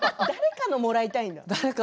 誰かのをもらいたいんだ。